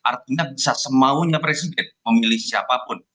artinya bisa semaunya presiden memilih siapapun